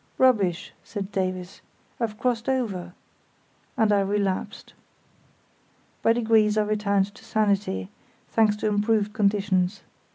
"Rubbish," said Davies. "I've crossed over"; and I relapsed. By degrees I returned to sanity, thanks to improved conditions.